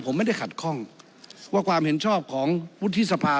ผมไม่ได้ขัดข้องว่าความเห็นชอบของวุฒิสภา